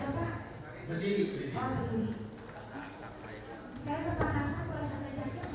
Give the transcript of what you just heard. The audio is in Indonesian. ini mengenai mou antara manajemeni dan sampai jepang